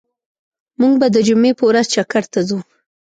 موږ به د جمعی په ورځ چکر ته ځو